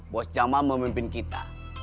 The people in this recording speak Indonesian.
bos jamal memimpin kita